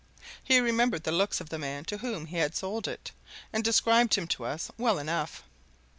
He remembered the looks of the man to whom he had sold it, and described him to us well enough.